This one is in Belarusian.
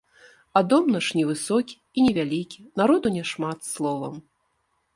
А дом наш невысокі і невялікі, народу няшмат, словам.